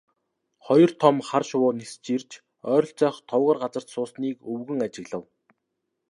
Хоёр том хар шувуу нисэн ирж ойролцоох товгор газарт суусныг өвгөн ажиглав.